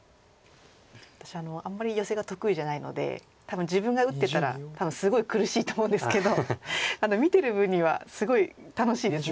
私あんまりヨセが得意じゃないので多分自分が打ってたらすごい苦しいと思うんですけど見てる分にはすごい楽しいです。